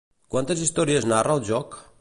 Quantes històries narra el joc?